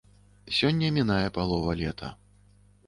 Сёння мінае палова лета.